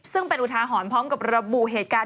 ซึ่งเป็นอุทาหรณ์พร้อมกับระบุเหตุการณ์